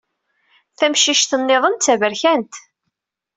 Tamcict-nniḍen d taberkant.